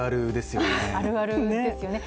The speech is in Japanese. あるあるですよね。